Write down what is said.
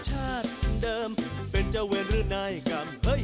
ฐานเพินรอเป็นเสร็จอย่างเหลืออะไรเนี่ย